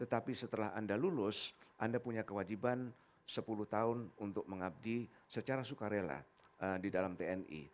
tetapi setelah anda lulus anda punya kewajiban sepuluh tahun untuk mengabdi secara sukarela di dalam tni